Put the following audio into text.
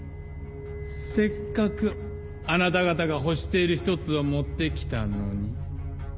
せっかくあなた方が欲している１つを持って来たのに。